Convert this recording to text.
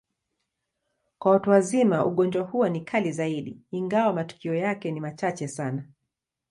Kwa watu wazima, ugonjwa huo ni kali zaidi, ingawa matukio yake ni machache sana.